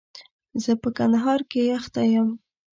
زه په کندهار کښي اخته يم.